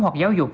hoặc giáo dục